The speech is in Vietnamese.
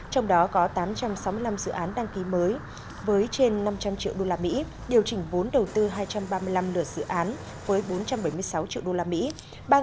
trong đó có tám trăm sáu mươi năm dự án đăng ký mới với trên năm trăm linh triệu usd điều chỉnh vốn đầu tư hai trăm ba mươi năm lửa dự án với bốn trăm bảy mươi sáu triệu usd